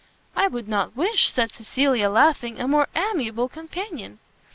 "I would not wish," said Cecilia, laughing, "a more amiable companion!"